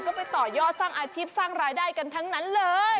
ก็ไปต่อยอดสร้างอาชีพสร้างรายได้กันทั้งนั้นเลย